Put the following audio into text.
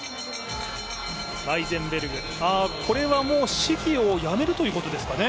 ワイゼンベルグ、これはもう試技をやめるということですかね。